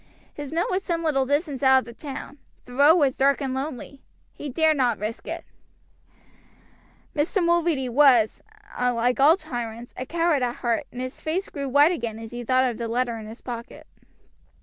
His mill was some little distance out of the town; the road was dark and lonely. He dared not risk it. Mr. Mulready was, like all tyrants, a coward at heart, and his face grew white again as he thought of the letter in his pocket.